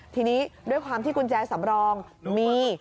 ทีนี้ด้วยความที่กุญแจสำรองมี